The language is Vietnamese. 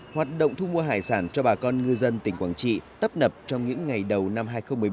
hoạt động thu mua hải sản cho bà con ngư dân tỉnh quảng trị tấp nập trong những ngày đầu năm hai nghìn một mươi bảy